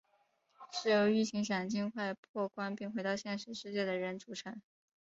是由一群想尽快破关并回到现实世界的人组成。